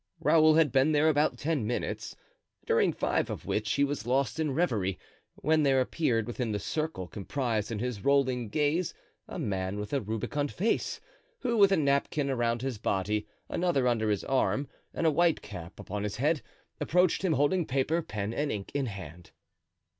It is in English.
Raoul had been there about ten minutes, during five of which he was lost in reverie, when there appeared within the circle comprised in his rolling gaze a man with a rubicund face, who, with a napkin around his body, another under his arm, and a white cap upon his head, approached him, holding paper, pen and ink in hand.